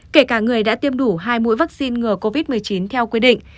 kể cả người đã tiêm đủ hai mũi vaccine ngừa covid một mươi chín theo quy định